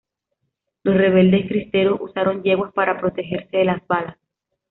Los rebeldes cristeros usaron yeguas para protegerse de las balas.